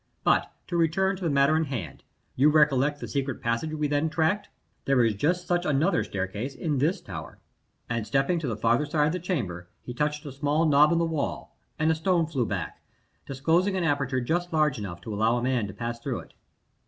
"But to return to the matter in hand. You recollect the secret passage we then tracked? There is just such another staircase in this tower." And stepping to the farther side of the chamber, he touched a small knob in the wall, and a stone flew hack, disclosing an aperture just large enough to allow a man to pass through it.